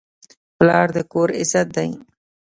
پلار د کور عزت دی.